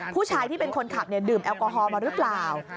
ผู้ชายที่เป็นคนขับดื่มแอลกอฮอลมาหรือเปล่า